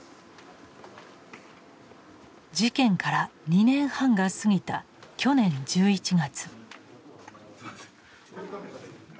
事件から２年半が過ぎた去年１１月。